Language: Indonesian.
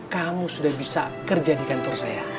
kamu sudah bisa kerjadikan tersenyum